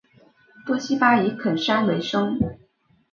多希巴以垦山为生。